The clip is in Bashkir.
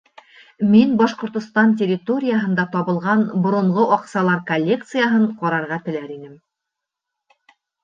Мин Башҡортостан территорияһында табылған боронғо аҡсалар коллекцияһын ҡарарға теләр инем.